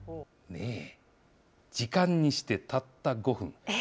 時間にしてたった５分。